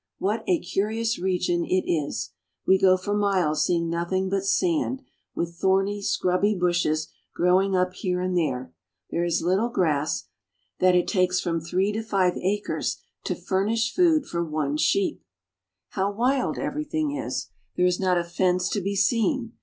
What a curious region it is! We go for miles see ing nothing but sand, with thorny, scrubby bushes grow ing up here and there. There is little grass — so little, indeed, that it takes from three to five acres to furnish food for one sheep. How wild everything is! There is not a fence to be seen.